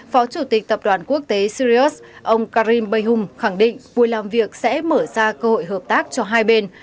phó chủ tịch tập đoàn quốc tế sirius ông karim bayhum khẳng định vui làm việc sẽ mở ra cơ hội hợp tác cho hai bên